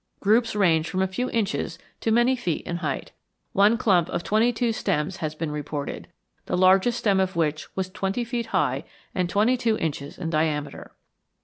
Groups range from a few inches to many feet in height. One clump of twenty two stems has been reported, the largest stem of which was twenty feet high and twenty two inches in diameter.